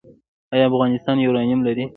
آیا افغانستان یورانیم لري؟